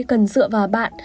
cần dựa vào bạn